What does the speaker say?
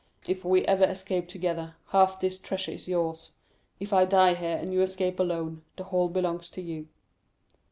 If we ever escape together, half this treasure is yours; if I die here, and you escape alone, the whole belongs to you."